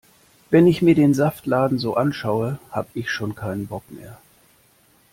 Wenn ich mir den Saftladen so anschaue, hab' ich schon keinen Bock mehr.